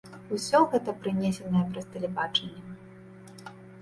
Усё гэта прынесенае праз тэлебачанне.